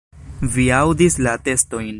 Vi aŭdis la atestojn.